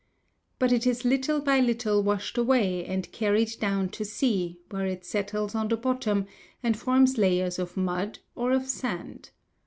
But it is little by little washed away, and carried down to sea, where it settles on the bottom, and forms layers of mud or of sand.